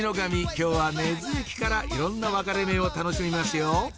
今日は根津駅からいろんな分かれ目を楽しみますよ